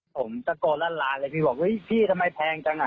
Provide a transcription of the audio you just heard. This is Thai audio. ผมตะโกล่ร้านเลยพี่บอกว่าพี่ทำไมแพงจัง